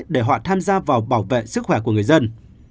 để họ tham gia vào bảo vệ sức khỏe của người dân